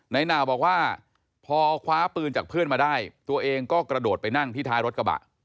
นายหนาวบอกว่าพอคว้าปืนจากเพื่อนมาได้ตัวเองก็กระโดดไปนั่งที่ท้ายรถกระบะ